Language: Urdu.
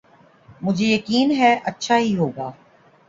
مجھے یقین ہے اچھا ہی ہو گا۔